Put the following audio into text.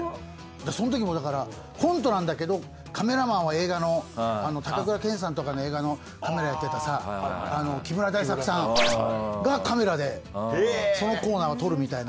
その時もだからコントなんだけどカメラマンは映画の高倉健さんとかの映画のカメラやってたさ木村大作さんがカメラでそのコーナーを撮るみたいな。